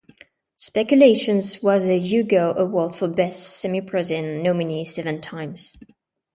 "Speculations" was a Hugo Award for Best Semiprozine nominee seven times.